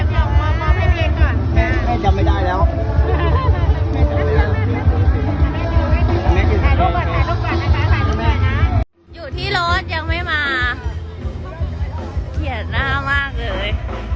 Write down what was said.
อยู่ที่รถยังไม่มาเขียนหน้ามากเลย